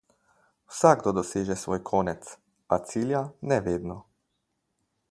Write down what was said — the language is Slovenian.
Vsakdo doseže svoj konec, a cilja ne vedno.